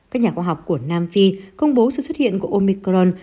các nhà khoa học của nam phi công bố sự xuất hiện của omicron